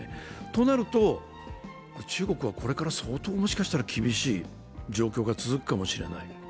そうなると、中国はこれから相当、もしかしたら厳しい状況が続くかもしれない。